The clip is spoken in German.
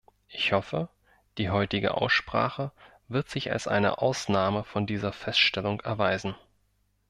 Ich hoffe, die heutige Aussprache wird sich als eine Ausnahme von dieser Feststellung erweisen.